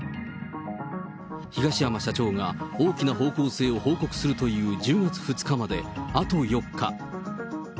東山社長が大きな方向性を報告するという１０月２日まであと４日。